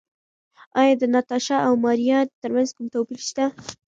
ایا د ناتاشا او ماریا ترمنځ کوم توپیر شته؟